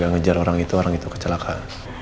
ngejar orang itu orang itu kecelakaan